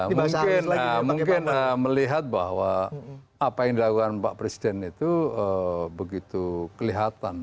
mungkin melihat bahwa apa yang dilakukan pak presiden itu begitu kelihatan